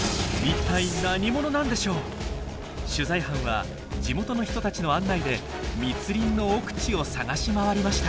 取材班は地元の人たちの案内で密林の奥地を探し回りました。